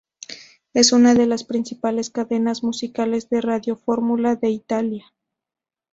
Es una de las principales cadenas musicales de radiofórmula de Italia.